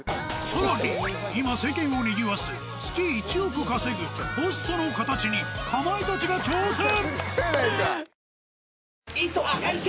さらに今世間をにぎわす月１億稼ぐホストの形にかまいたちが挑戦！